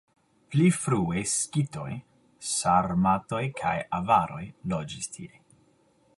Pli frue skitoj, sarmatoj kaj avaroj loĝis tie.